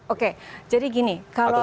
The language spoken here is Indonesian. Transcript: oke jadi gini kalau